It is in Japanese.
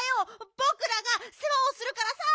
ぼくらがせわをするからさ！